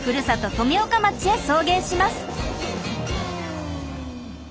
富岡町へ送迎します。